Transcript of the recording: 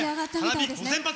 花火、５０００発。